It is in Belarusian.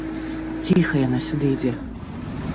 Ціха, яна сюды ідзе.